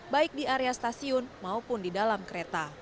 baik di area stasiun maupun di dalam kereta